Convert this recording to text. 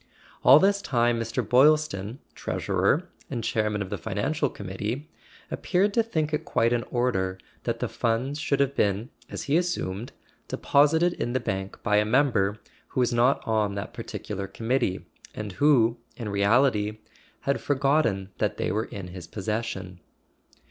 All this time Mr. Boylston, treasurer, and chairman of the Financial Committee, appeared to think it quite in order that the funds should have been (as he assumed) deposited in the bank by a member who was not on that particular committee, and who, in reality, had forgotten that they were in his posses¬ sion.